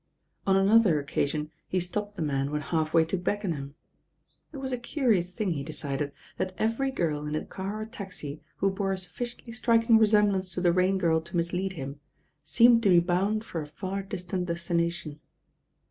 On another occasion he stopped the man when half way to Beckcnham. It was a curious thing, he decided, that every girl in a car or taxi who bore a sufficiently striking resemblance to the Rain Girl to mislead him, seemed to be bound for a far distant destination.